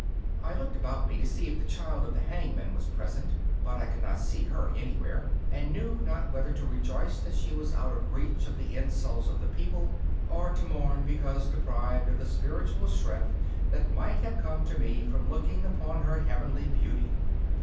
I looked about me to see if the child of the hangman were present, but I could not see her anywhere, and knew not whether to rejoice that she was out of reach of the insults of the people or to mourn because deprived of the spiritual strength that might have come to me from looking upon her heavenly beauty.